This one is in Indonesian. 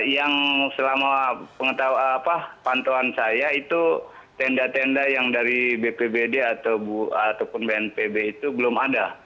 yang selama pantauan saya itu tenda tenda yang dari bpbd ataupun bnpb itu belum ada